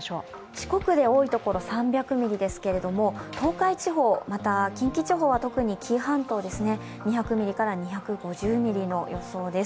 四国で多いところ３００ミリですけれども東海地方、また近畿地方は特に紀伊半島２００ミリから２５０ミリの予想です。